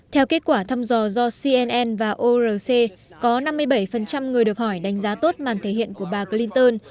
theo kết quả thăm dò do cnn và oc có năm mươi bảy người được hỏi đánh giá tốt màn thể hiện của bà clinton